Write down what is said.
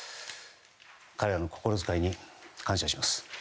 彼らの心遣いに感謝します。